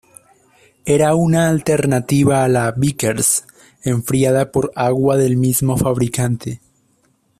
Era una alternativa a la Vickers enfriada por agua del mismo fabricante.